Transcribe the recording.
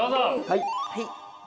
はい。